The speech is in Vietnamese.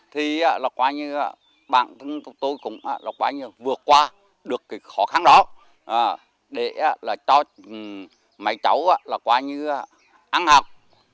thì là quả như là bản thân của tôi cũng là quả như vượt qua được cái khó khăn đó để là cho mấy cháu là quả như ăn học